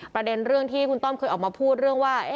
ประเด็นเรื่องที่คุณต้อมเคยออกมาพูดเรื่องว่า